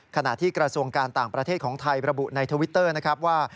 ขณะที่กระทรวงการต่างประเทศของไทยระบุในทวิตเตอร์นะครับว่า